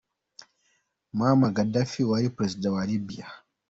Muammar Gaddafi, wari Perezida wa Libya.